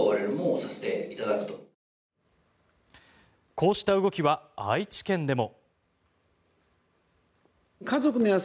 こうした動きは愛知県でも。